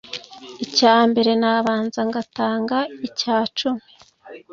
Icya mbere nabanza ngatanga icya cumi